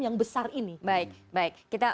takut enak gitu